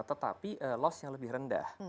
tetapi loss yang lebih rendah